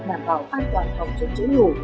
đảm bảo an toàn phòng cháy cháy nổ